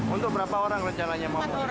untuk berapa orang rencananya mau mudik